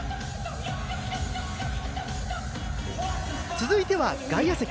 続いては外野席。